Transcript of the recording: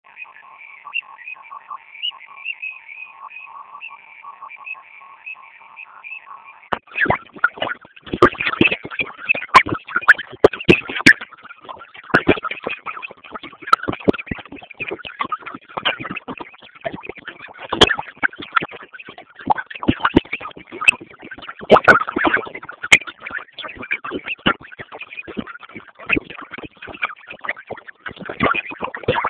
Jamii za walendu na wahema zina mzozo wa muda mrefu.